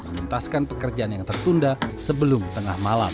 menuntaskan pekerjaan yang tertunda sebelum tengah malam